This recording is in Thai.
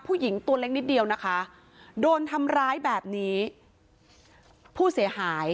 ผู้หญิงตัวเล็กนิดเดียวนะคะโดนทำร้ายแบบนี้ผู้เสียหาย